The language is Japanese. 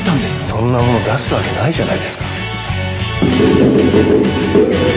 そんなもの出すわけないじゃないですか。